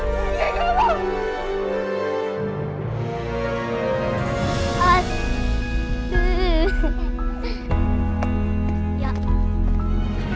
kamu yang mudah melihat doaku